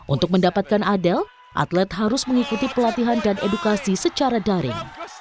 untuk mendapatkan adel atlet harus mengikuti pelatihan dan edukasi secara daring